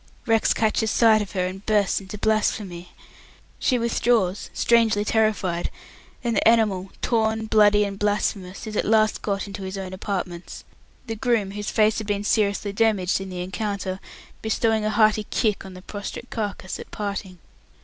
Rex catches sight of her; and bursts into blasphemy. She withdraws, strangely terrified; and the animal, torn, bloody, and blasphemous, is at last got into his own apartments, the groom, whose face had been seriously damaged in the encounter, bestowing a hearty kick on the prostrate carcase at parting.